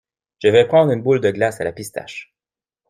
Je vais prendre une boule de glace à la pistache.